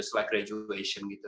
setelah graduation gitu